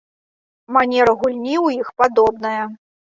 Манера гульні ў іх падобная.